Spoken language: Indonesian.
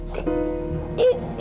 eh yang uyut